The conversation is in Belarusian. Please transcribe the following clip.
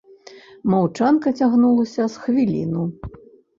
Маўчанка цягнулася з хвіліну.